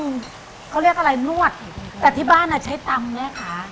เราต้องเขาเรียกอะไรนวดแต่ที่บ้านอ่ะใช้ตำเนี้ยค่ะ